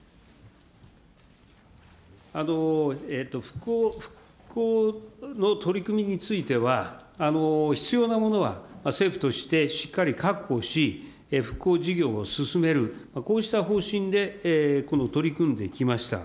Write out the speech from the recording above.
復興の取り組みについては、必要なものは政府としてしっかり確保し、復興事業を進める、こうした方針で取り組んできました。